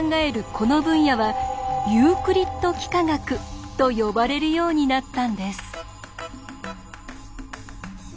この分野は「ユークリッド幾何学」と呼ばれるようになったんです。